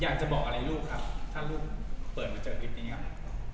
อยากจะบอกอะไรลูกครับถ้าลูกเปิดมาเจอคลิปนี้ครับ